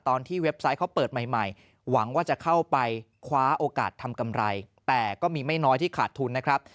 เว็บไซต์เขาเปิดใหม่หวังว่าจะเข้าไปคว้าโอกาสทำกำไรแต่ก็มีไม่น้อยที่ขาดทุนนะครับ